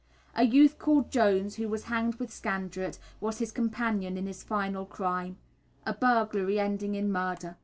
A youth called Jones, who was hanged with Scandrett, was his companion in his final crime a burglary, ending in murder.